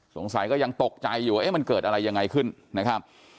ก็ยังตกใจอยู่เอ๊ะมันเกิดอะไรยังไงขึ้นนะครับ